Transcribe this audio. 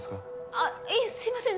あっいえすいません